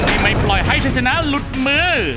ไม่ปล่อยให้ชัยชนะหลุดมือ